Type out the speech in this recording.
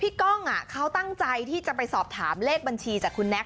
พี่ก้องเขาตั้งใจที่จะไปสอบถามเลขบับจากนั๊ค